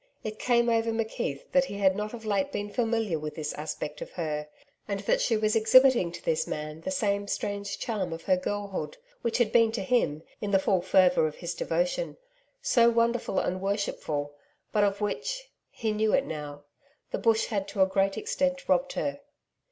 It came over McKeith that he had not of late been familiar with this aspect of her, and that she was exhibiting to this man the same strange charm of her girlhood which had been to him, in the full fervour of his devotion, so wonderful and worshipful, but of which he knew it now the Bush had to a great extent robbed her.